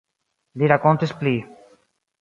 Li rakontis pli.